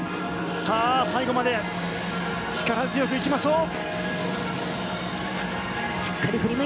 さあ、最後まで力強くいきましょう。